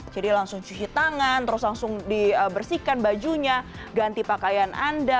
jadi langsung cuci tangan terus langsung dibersihkan bajunya ganti pakaian anda